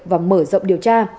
và mở rộng điều tra